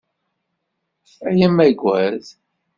A amaggad!